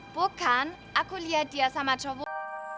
bukan aku lihat dia sama cowok